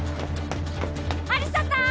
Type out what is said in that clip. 有沙さーん！